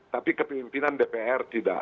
tapi kepimpinan dpr tidak